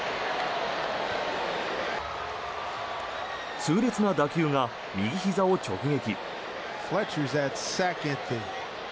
痛烈な打球が右ひざを直撃。